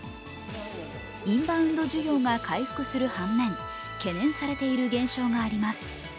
インバウンド需要が回復する反面懸念されている現状があります。